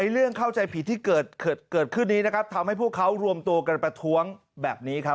เรื่องเข้าใจผิดที่เกิดขึ้นนี้นะครับทำให้พวกเขารวมตัวกันประท้วงแบบนี้ครับ